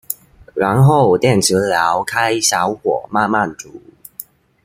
然後電磁爐開小火慢慢煮